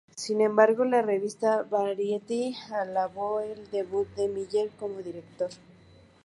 Sin embargo, la revista "Variety" alabó el debut de Miller como director.